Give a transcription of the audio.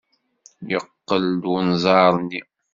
Yeqqel-d unẓar-nni.